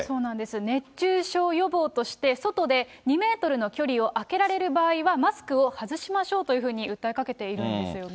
熱中症予防として、外で２メートルの距離を空けられる場合はマスクを外しましょうというふうに訴えかけているんですよね。